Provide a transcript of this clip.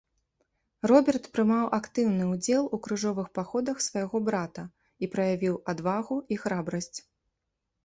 Роберт прымаў актыўны ўдзел у крыжовых паходах свайго брата і праявіў адвагу і храбрасць.